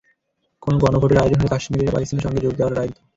কোনো গণভোটের আয়োজন হলে কাশ্মীরিরা পাকিস্তানের সঙ্গেই যোগ দেওয়ার রায় দিত।